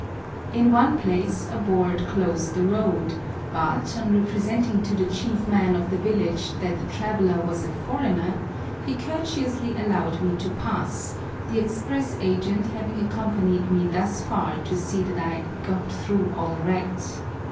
In one place a board closed the road, but, on representing to the chief man of the village that the traveller was a foreigner, he courteously allowed me to pass, the Express Agent having accompanied me thus far to see that I "got through all right."